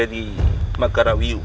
dia pasti mata mata musuh